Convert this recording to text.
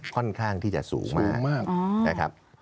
ค่อนข้างที่จะสูงมาก